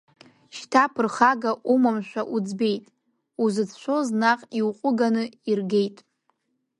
Шьҭа ԥырхага умамшәа уӡбеит, узыцәшәоз наҟ иуҟәыганы иргеит…